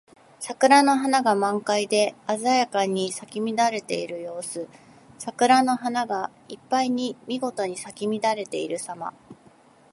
桜の花が満開で鮮やかに咲き乱れている様子。桜の花がいっぱいにみごとに咲き乱れているさま。